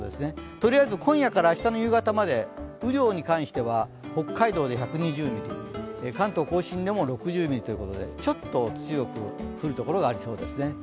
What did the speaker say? とりあえず今夜から明日の夕方まで、雨量に関しては北海道で１２０ミリ、関東甲信でも６０ミリということでちょっと強く降るところがありそうですね。